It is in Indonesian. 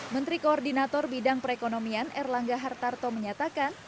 menteri koordinator bidang perekonomian erlangga hartarto menyatakan